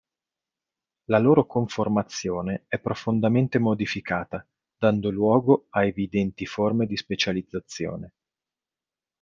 La loro conformazione è profondamente modificata, dando luogo a evidenti forme di specializzazione.